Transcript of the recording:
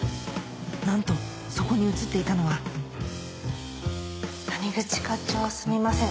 なんとそこに写っていたのは谷口課長すみません